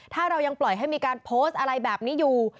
ถ้าเรายังปล่อยให้มีการโพสต์อะไรแบบนี้อยู่